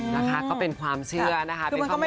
นะคะก็เป็นความเชื่อนะคะเป็นข้อมูลทั้งแพร่